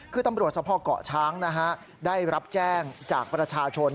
คือตำรวจสภเกาะช้างได้รับแจ้งจากประชาชน